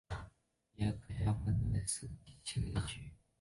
比耶克下面再划分为七个地区。